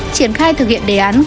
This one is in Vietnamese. triển khai thực hiện đề án